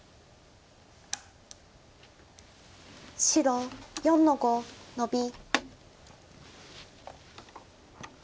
白４の五ノビ。